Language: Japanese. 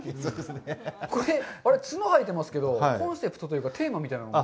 これ、角が生えてますけど、コンセプトというか、テーマみたいなものは。